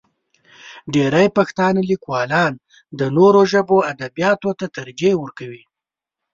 ډېری پښتانه لیکوالان د نورو ژبو ادبیاتو ته ترجیح ورکوي.